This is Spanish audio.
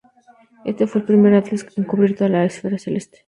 Este fue el primer atlas en cubrir toda la esfera celeste.